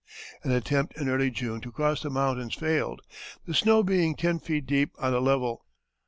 An attempt in early June to cross the mountains failed, the snow being ten feet deep on a level.